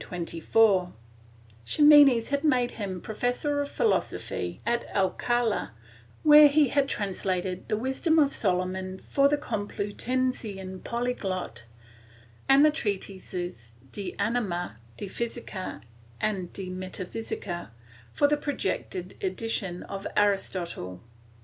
Xime nes had made him professor of Philosophy at Alcala, where h^ translated the Wisdom of Solomon for the Complutensian Polyglot^ and the treatises de Anima, de Physica and de Metaphysica for the projected edition of Aristotle.